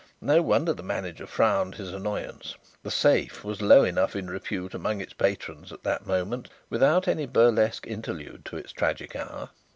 No wonder the manager frowned his annoyance. "The Safe" was in low enough repute among its patrons at that moment without any burlesque interlude to its tragic hour.